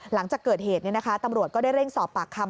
หลังจากเกิดเหตุตำรวจก็ได้เร่งสอบปากคำ